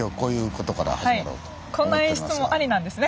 こんな演出もありなんですね。